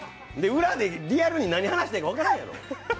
裏でリアルに何話していいか分からんやろ。